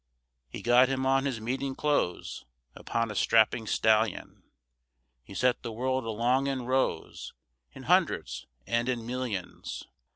He got him on his meeting clothes, Upon a strapping stallion, He set the world along in rows, In hundreds and in millions.